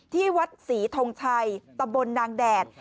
ที่วัดศรีทงชัยตะบนนางแดด